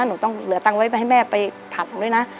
หนูต้องเหลือตังค์ไว้ไปให้แม่ไปผัดหนูด้วยนะ